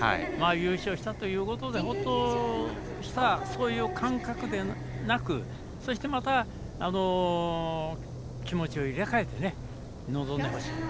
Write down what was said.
優勝したということでそういう感覚でなく気持ちを入れ替えて臨んでほしい。